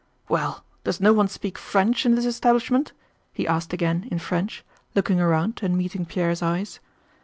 "Well, does no one speak French in this establishment?" he asked again in French, looking around and meeting Pierre's eyes.